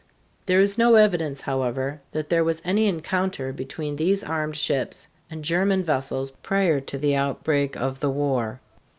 There is no evidence, however, that there was any encounter between these armed ships and German vessels prior to the outbreak of the war.